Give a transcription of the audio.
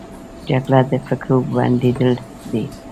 جګړه د فکرو بندېدل دي